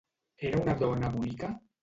Era una dona bonica?